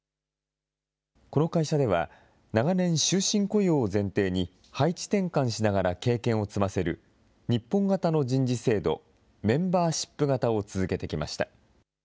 この会社では、長年、終身雇用を前提に配置転換しながら経験を積ませる日本型の人事制度、メンバーシップ型を続けてきました。